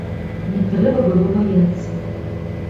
Не трэба было баяцца.